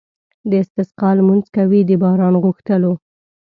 د استسقا لمونځ کوي د باران غوښتلو.